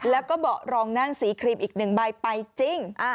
แล้วก็เบาะรองนั่งสีครีมอีก๑ใบไปจริง